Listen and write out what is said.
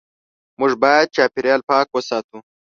موږ باید چاپېریال پاک وساتو.